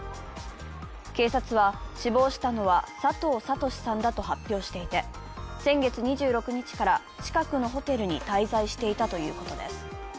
警察は、死亡したのはサトウ・サトシさんだと発表していて、先月２６日から近くのホテルに滞在していたということです。